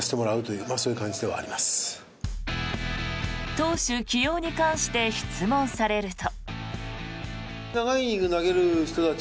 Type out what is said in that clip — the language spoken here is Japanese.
投手起用に関して質問されると。